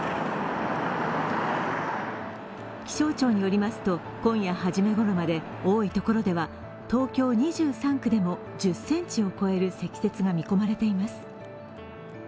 気象庁によりますと、今夜はじめごろまで多いところでは、東京２３区でも１０ｃｍを超える積雪が見込まれています。